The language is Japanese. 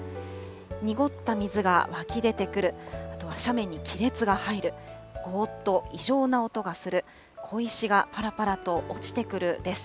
濁った水が湧き出てくる、あとは斜面に亀裂が入る、ごーっと異常な音がする、小石がぱらぱらと落ちてくるです。